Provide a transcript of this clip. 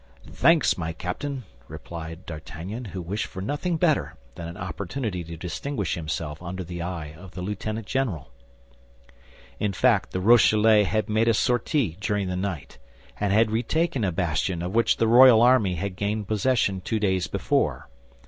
"Thanks, my captain!" replied D'Artagnan, who wished for nothing better than an opportunity to distinguish himself under the eye of the lieutenant general. In fact the Rochellais had made a sortie during the night, and had retaken a bastion of which the royal army had gained possession two days before.